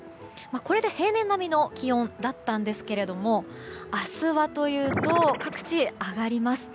これで平年並みの気温だったんですけど明日はというと各地、上がります。